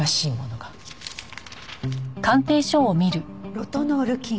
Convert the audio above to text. ロトノール菌。